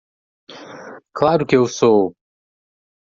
Claro que eu sou!